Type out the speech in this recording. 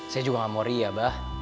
saya juga nggak mau ria be